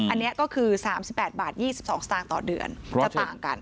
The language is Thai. อันนี้ก็คือ๓๘บาท๒๒สตางค์ต่อเดือน